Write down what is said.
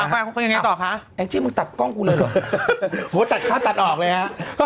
ไปยังไงต่อคะแองจี้มึงตัดกล้องกูเลยเหรอโหตัดเข้าตัดออกเลยฮะ